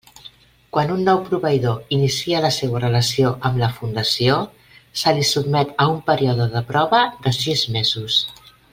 Quan un nou proveïdor inicia la seua relació amb la Fundació, se li sotmet a un període de prova de sis mesos.